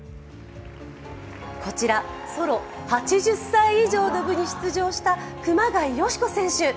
こちら、ソロ８０歳以上の部に出場した熊谷良子選手。